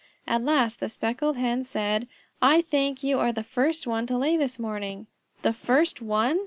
At last the Speckled Hen said, "I think you are the first one to lay this morning." "The first one!"